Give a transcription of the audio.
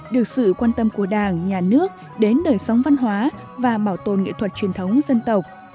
được sự quan tâm của đảng nhà nước đến đời sống văn hóa và bảo tồn nghệ thuật truyền thống dân tộc